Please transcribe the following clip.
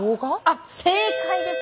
正解です。